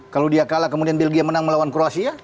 kalau dia kalah kemudian belgia menang melawan kroasia